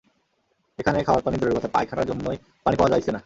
এইখানে খাওয়ার পানি দূরের কথা, পায়খানার জন্যেই পানি পাওয়া যাইছে না।